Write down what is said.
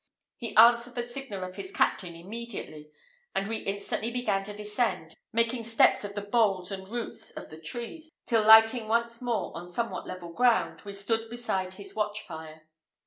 He answered the signal of his captain immediately, and we instantly began to descend, making steps of the boles and roots of the trees, till lighting once more on somewhat level ground, we stood beside his watch fire.